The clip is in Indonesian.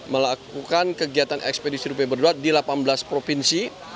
melakukan kegiatan ekspedisi rupiah berdua di delapan belas provinsi